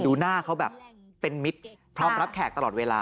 ดูหน้าเขาแบบเป็นมิตรพร้อมรับแขกตลอดเวลา